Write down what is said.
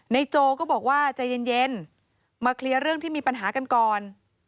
โจก็บอกว่าใจเย็นมาเคลียร์เรื่องที่มีปัญหากันก่อน